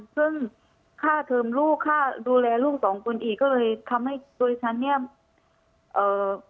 ซึ่งค่าเทิมลูกค่าดูแลลูกสองคนอีกก็เลยทำให้โดยฉันเนี้ยเอ่อ